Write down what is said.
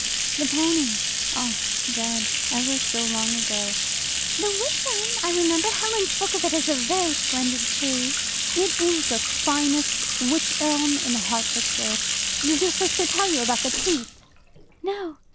"The pony? Oh, dead, ever so long ago." "The wych elm I remember. Helen spoke of it as a very splendid tree." "It is the finest wych elm in Hertfordshire. Did your sister tell you about the teeth?" "No."